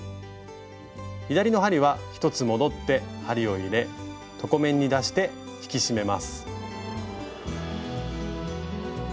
左の針は１つ戻って針を入れ床面に出して引き締めます。